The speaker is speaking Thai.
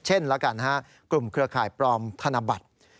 เช่นกลุ่มเครือข่ายปลอมธนบัติ